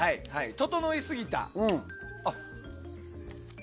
整いすぎた。